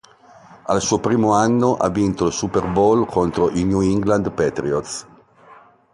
Al suo primo anno ha vinto il Super Bowl contro i New England Patriots.